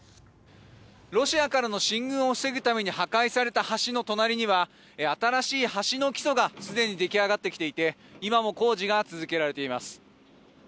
ロシアからの進軍を防ぐために破壊された橋の隣には新しい橋の基礎がすでに出来上がってきていて今も工事が続けられています。